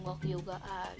nanti udah kabul